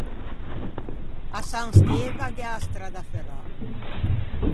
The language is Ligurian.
À San Steva gh'ea a stradda ferrâ.